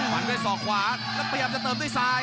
ฟันด้วยศอกขวาแล้วพยายามจะเติมด้วยซ้าย